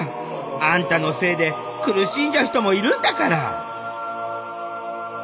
あんたのせいで苦しんじゃう人もいるんだから！